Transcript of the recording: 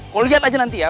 kok liat aja nanti ya